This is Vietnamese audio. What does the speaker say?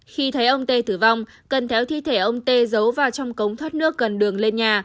khi thấy ông tê tử vong cần theo thi thể ông tê giấu vào trong cống thoát nước gần đường lên nhà